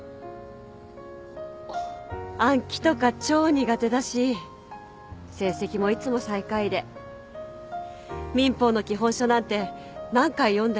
暗記とか超苦手だし成績もいつも最下位で民法の基本書なんて何回読んでも頭に入らなかった。